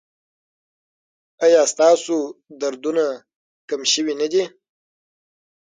ایا ستاسو دردونه کم شوي نه دي؟